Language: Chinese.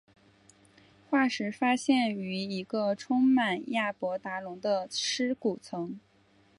化石发现于一个充满亚伯达龙的尸骨层。